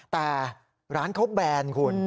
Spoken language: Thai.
แต่ร้านเขาแบนคุณ